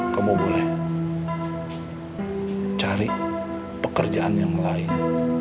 kamu boleh cari pekerjaan yang lain